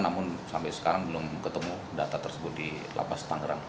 namun sampai sekarang belum ketemu data tersebut di lapas tangerang